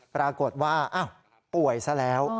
ปรากฏว่าป่วยซะแล้ว